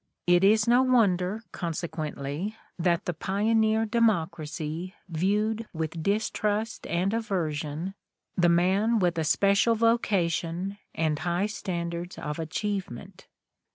It is no wonder, consequently, that the pioneer democracy viewed with distrust and aversion the man with a special vocation and high standards of achieve ment.